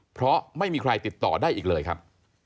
เพราะไม่มีใครติดต่อได้อีกเลยครับ